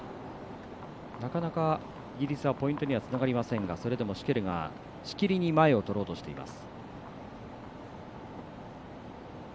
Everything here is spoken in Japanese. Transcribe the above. なかなか、イギリスはポイントにはつながりませんがそれでもシュケルがしきりに前をとろうとしています。